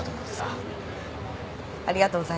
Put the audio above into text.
ありがとうございます。